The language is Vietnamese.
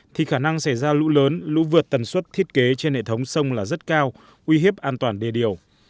thì khả năng xảy ra lũ lớn lũ vượt tần suất thiết kế trên hệ thống sông là rất cao uy hiếp an toàn đề điều